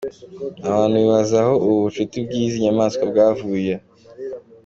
Abantu bibaza aho ubu bucuti bw’izi nyamaswa bwavuye.